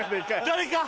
誰か！